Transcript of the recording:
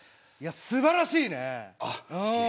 素晴らしいね。